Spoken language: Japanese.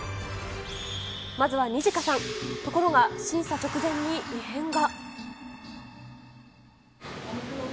まずはニジカさん、ところが、審査直前に異変が。